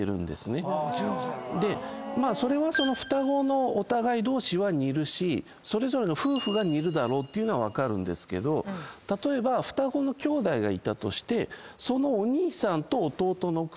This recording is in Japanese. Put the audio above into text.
それはその双子のお互い同士は似るしそれぞれの夫婦が似るだろうっていうのは分かるんですけど例えば双子のきょうだいがいてそのお兄さんと弟の奥さん。